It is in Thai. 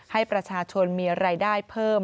ให้ประชาชนมีรายได้เพิ่ม